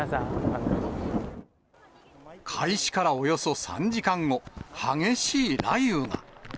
開始からおよそ３時間後、激しい雷雨が。